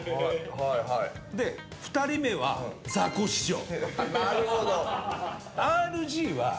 ２人目はザコシショウ。